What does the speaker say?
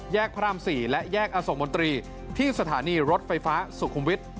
พระราม๔และแยกอโศกมนตรีที่สถานีรถไฟฟ้าสุขุมวิทย์